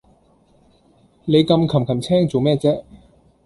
你咁擒擒青做咩啫